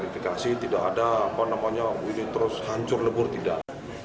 ini harus dikarifikasi tidak ada apa namanya ini terus hancur lebur tidak